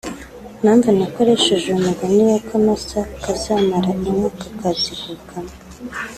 Impanvu nakoresheje uyu mugani w’Akamasa kazamara inka kakazivukamo